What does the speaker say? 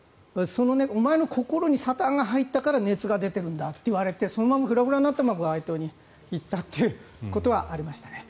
そのお前の心にサタンが入ったから熱が出ているんだと言われてそのままフラフラになったまま街頭に行ったということはありましたね。